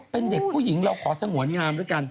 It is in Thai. เป็นเด็กผู้หญิงเราขอสงวนงามด้วยกัน